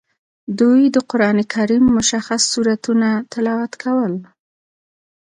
دوی د قران کریم مشخص سورتونه تلاوت کول.